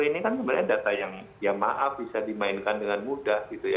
ini kan sebenarnya data yang ya maaf bisa dimainkan dengan mudah gitu ya